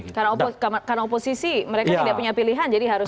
karena oposisi mereka tidak punya pilihan jadi harus